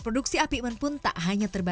produksi apikmen pun tak hanya terbatas